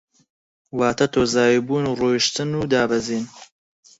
واتە تۆزاوی بوون و ڕۆیشتن و دابەزین